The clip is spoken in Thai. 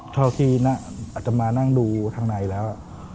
ข้าวที่นั่นอยากมานั่งดูทางในแล้ว